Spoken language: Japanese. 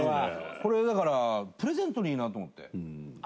これ、だからプレゼントにいいなと思って。